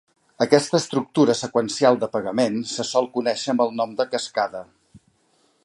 Aquesta estructura seqüencial de pagament se sol conèixer amb el nom de "cascada".